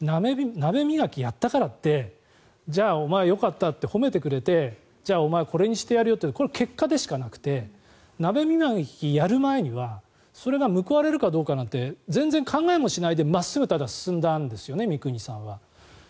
鍋磨きやったからってじゃあ、お前よかったって褒めてくれてじゃあ、お前これにしてやるよってこれは結果でしかなくて鍋磨きをやる前にはそれが報われるかどうかなんて全然考えもしないで真っすぐ、ただ進んだんですよね三國さんは。